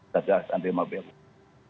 satgas anti mafia bola